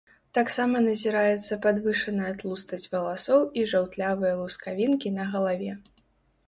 Таксама назіраецца падвышаная тлустасць валасоў і жаўтлявыя лускавінкі на галаве.